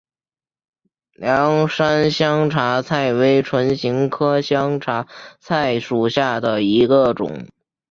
凉山香茶菜为唇形科香茶菜属下的一个种。